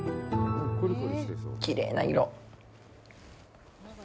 きれいな色。